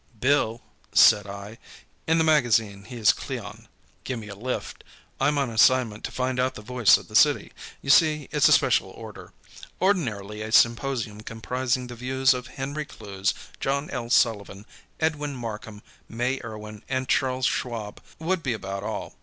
"Bill," said I (in the magazine he is Cleon), "give me a lift. I am on an assignment to find out the Voice of the city. You see, it's a special order. Ordinarily a symposium comprising the views of Henry Clews, John L. Sullivan, Edwin Markham, May Irwin and Charles Schwab would be about all.